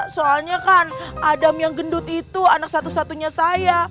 soalnya kan adam yang gendut itu anak satu satunya saya